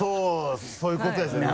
そういうことですよね。